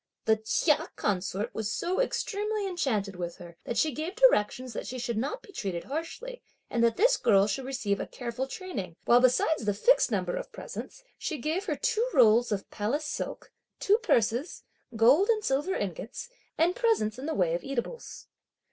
The Chia consort was so extremely enchanted with her that she gave directions that she should not be treated harshly, and that this girl should receive a careful training, while besides the fixed number of presents, she gave her two rolls of palace silk, two purses, gold and silver ingots, and presents in the way of eatables.